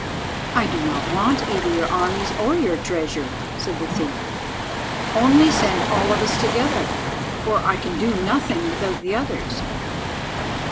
"I do not want either your armies or your treasure," said the thief. "Only send all of us together, for I can do nothing without the others."